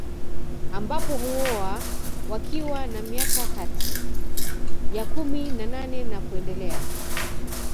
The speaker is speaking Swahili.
Ambapo huoa wakiwa na miaka kati ya kumi na nane na kuendelea